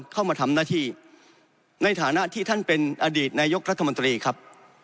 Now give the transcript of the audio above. เข้ามาทำหน้าที่ในฐานะที่ท่านเป็นอดีตนายกรัฐมนตรีครับ